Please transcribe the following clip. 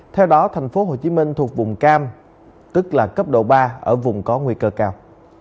theo đó thành phố hồ chí minh thuộc vùng cam tức là cấp độ ba ở vùng có nguy cơ cao